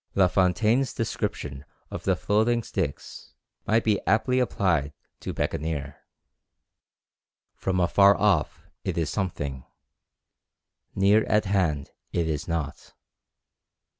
La Fontaine's description of the floating sticks might be aptly applied to Bekaneer. "From afar off it is something, near at hand it is nought."